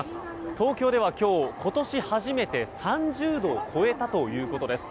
東京では今日、今年初めて３０度を超えたということです。